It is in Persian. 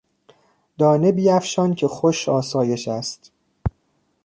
...دانه بیافشان که خوش آسایش است